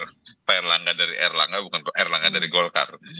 pak erlangga dari erlangga bukan pak erlangga dari golkar